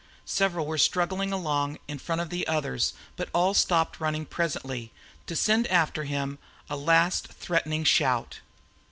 Several were straggling along in front of the others, but all stopped running presently, to send after him a last threatening shout.